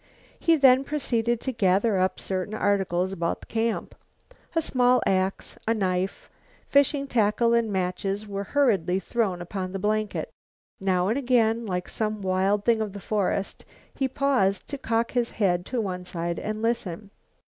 He then proceeded to gather up certain articles about camp. A small ax, a knife, fishing tackle and matches were hurriedly thrown upon the blanket. Now and again, like some wild thing of the forest, he paused to cock his head to one side and listen.